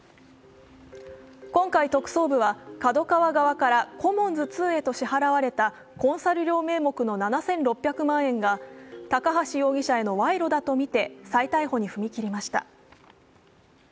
今回、特捜部はＫＡＤＯＫＡＷＡ側からコモンズ２へと支払われたコンサル料名目の７６００万円が高橋容疑者への賄賂だとみて再逮捕に踏み切りました。